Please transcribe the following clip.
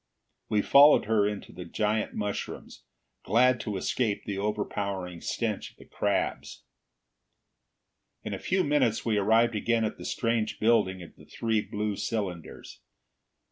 We followed her into the giant mushrooms, glad to escape the overpowering stench of the crabs. In a few minutes we arrived again at the strange building of the three blue cylinders.